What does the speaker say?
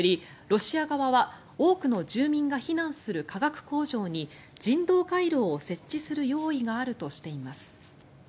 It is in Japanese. ロシア側は多くの住民が避難する化学工場に人道回廊を設置する用意があるとしています。